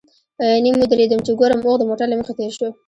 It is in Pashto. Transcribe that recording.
نیم ودرېدم چې ګورم اوښ د موټر له مخې تېر شو.